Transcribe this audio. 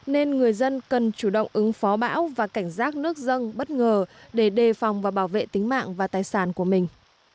nên người dân cần chủ động ứng phó bão và cảnh giác nước dâng bất ngờ để đề phòng và bảo vệ tính mạng và tài sản của mình